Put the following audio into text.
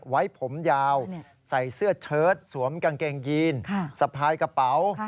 ไว้ผมยาวใส่เสื้อเชิดสวมกางเกงยีนสะพายกระเป๋า